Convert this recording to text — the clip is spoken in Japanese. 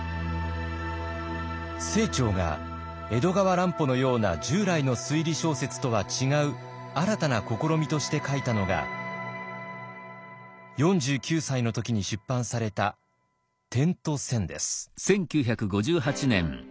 清張が江戸川乱歩のような従来の推理小説とは違う新たな試みとして書いたのが４９歳の時に出版された「点と線」です。